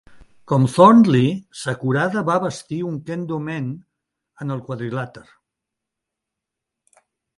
Com Thornley, Sakurada va vestir un Kendo men en el quadrilàter.